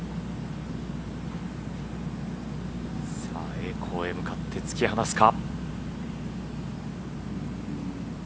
栄光へ向かって突き放すか。